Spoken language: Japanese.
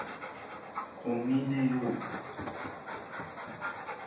小峰洋子